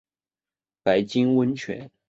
白金温泉